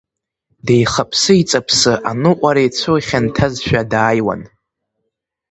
Деихаԥсы-еиҵаԥсы, аныҟуара ицәыхьанҭазшәа дааиуан.